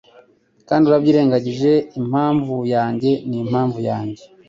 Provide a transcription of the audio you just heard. Kandi urabyirengagije impamvu yanjye n'impamvu yanjye